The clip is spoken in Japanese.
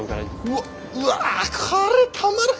うわっうわこれたまらん！